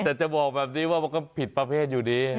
แต่จะบอกแบบนี้ว่ามันก็ผิดประเภทอยู่ดี